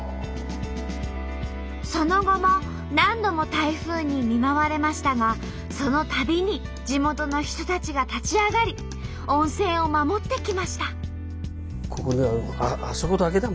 その後も何度も台風に見舞われましたがそのたびに地元の人たちが立ち上がり温泉を守ってきました。